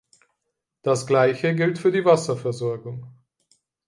Das Gleiche gilt für die Wasserversorgung.